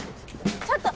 ちょっと。